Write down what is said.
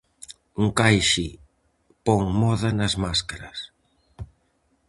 O encaixe pon moda nas máscaras.